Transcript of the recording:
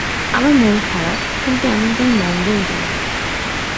আমার মন খারাপ, কিন্তু এমনটাই মঙ্গলজনক।